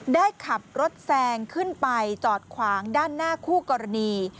ได้ขับรถแซงขึ้นไปจอดขวางด้านหน้าคู่กรณี